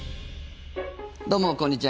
どうもこんにちは。